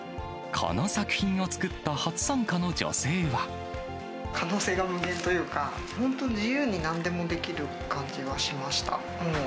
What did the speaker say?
この作品を作った初参加の女可能性が無限というか、本当に自由になんでもできる感じがしました。